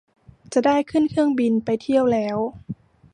จะได้ขึ้นเครื่องบินไปเที่ยวแล้ว